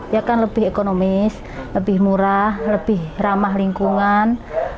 ya kan lebih ekonomis lebih murah lebih ramah lingkungan